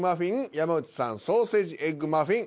山内さん「ソーセージエッグマフィン」。